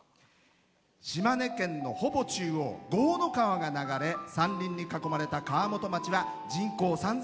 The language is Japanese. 島根県のほぼ中央江の川が流れ山林に囲まれた川本町は人口３１００。